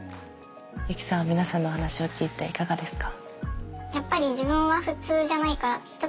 ユキさん皆さんの話を聞いていかがですか？